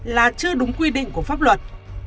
là chưa đúng quy định của pháp luật